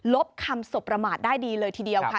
บคำสบประมาทได้ดีเลยทีเดียวค่ะ